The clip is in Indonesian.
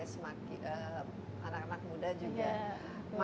anak anak muda juga